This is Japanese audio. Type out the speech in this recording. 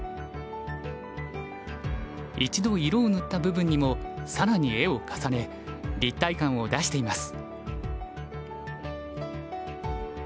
一度色を塗った部分にも更に絵を重ね立体感を出しています。